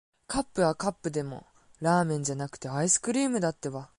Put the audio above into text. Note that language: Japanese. カップはカップでも、ラーメンじゃなくて、アイスクリームだってば。